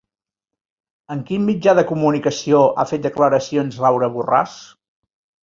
En quin mitjà de comunicació ha fet declaracions Laura Borràs?